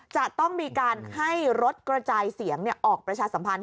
จะต้องมีการให้รถกระจายเสียงออกประชาสัมพันธ์